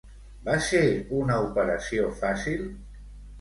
Va ser una operació fàcil?